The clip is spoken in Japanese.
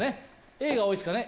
Ａが多いですかね